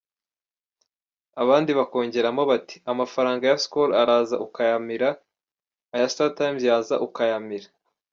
abandi bakongeramo bati amafaranga ya Skol araza ukayamira, aya Startimes yaza ukayamira,…”.